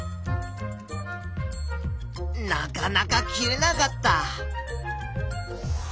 なかなか切れなかった。